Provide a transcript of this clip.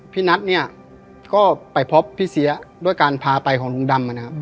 พี่นัทเนี่ยก็ไปพบพี่เสียด้วยการพาไปของลุงดำนะครับ